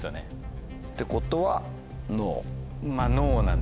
ってことはＮｏ？